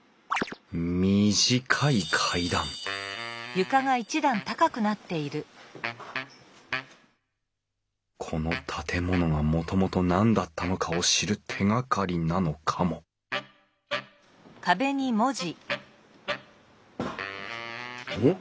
短い階段この建物がもともと何だったのかを知る手がかりなのかもん？